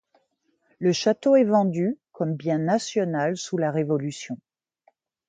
Le château est vendu comme bien national sous la Révolution.